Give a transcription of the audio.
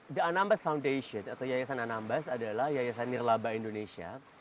the anambas foundation atau yayasan anambas adalah yayasan nirlaba indonesia